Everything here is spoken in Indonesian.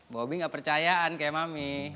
bobi nggak percayaan kayak mami